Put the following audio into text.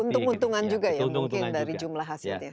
untung untungan juga ya mungkin dari jumlah hasilnya